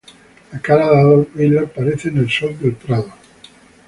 La cara de Adolf Hitler aparece en el sol del prado.